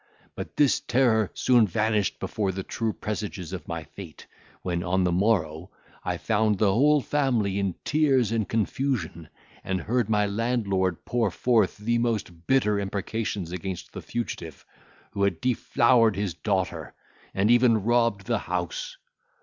But this terror soon vanished before the true presages of my fate, when, on the morrow, I found the whole family in tears and confusion, and heard my landlord pour forth the most bitter imprecations against the fugitive, who had deflowered his daughter, and even robbed the house.